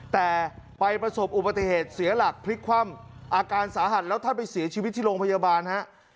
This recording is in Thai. แต่ไปประสบอุบัติเหตุเสียหลักพลิกคว่ำอาการสาหัสแล้วท่านไปเสียชีวิตที่โรงพยาบาลฮะ